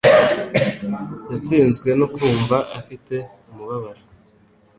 Yatsinzwe no kumva afite umubabaro.